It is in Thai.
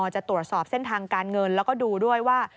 จะตรวจสอบเส้นทางการเงินแล้วก็ดูด้วยว่า